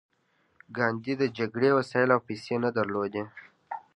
ګاندي د جګړې وسایل او پیسې نه درلودې